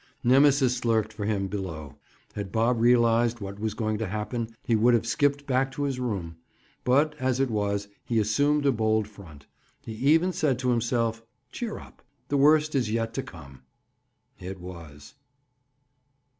Nemesis lurked for him below. Had Bob realized what was going to happen he would have skipped back to his room. But, as it was, he assumed a bold front. He even said to himself, "Cheer up; the worst is yet to come." It was.